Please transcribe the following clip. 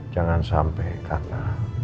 jangan sampai karena